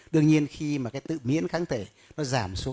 đương nhiên khi mà cái tự biến kháng thể nó giảm xuống